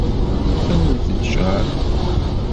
Awimt-d acṛab.